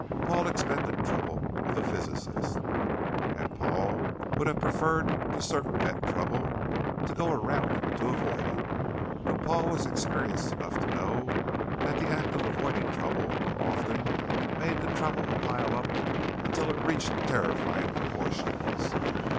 Paul expected trouble with the physicist. And Paul would have preferred to circumvent trouble, to go around it, to avoid it. But Paul was experienced enough to know that the act of avoiding trouble more often made the trouble pile up until it reached terrifying proportions.